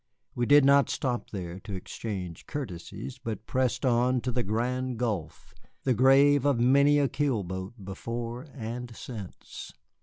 We did not stop there to exchange courtesies, but pressed on to the Grand Gulf, the grave of many a keel boat before and since.